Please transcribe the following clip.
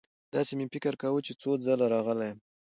داسې مې فکر کاوه چې څو ځله راغلی یم.